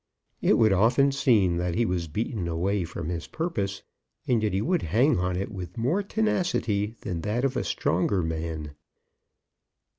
It would often seem that he was beaten away from his purpose, and yet he would hang on it with more tenacity than that of a stronger man.